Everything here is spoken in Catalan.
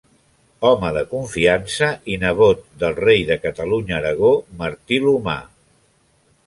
Home de confiança i nebot del rei de Catalunya-Aragó Martí l'Humà.